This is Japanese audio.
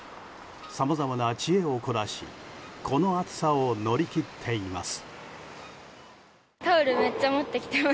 さまざまな知恵を凝らしこの暑さを乗り切っています。